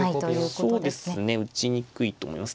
そうですね打ちにくいと思います。